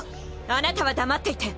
あなたは黙っていて。